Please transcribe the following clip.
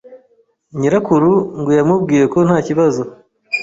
Nyirakuru ngo yamubwiye ko ntakibazo